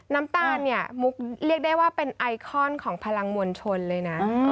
น้ำตาลเนี่ยมุกเรียกได้ว่าเป็นไอคอนของพลังมวลชนเลยนะ